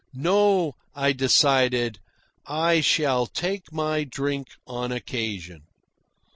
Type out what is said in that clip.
No, I decided; I shall take my drink on occasion.